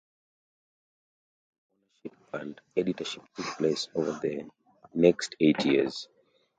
Numerous changes in ownership and editorship took place over the next eight years.